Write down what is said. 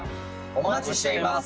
お待ちしています！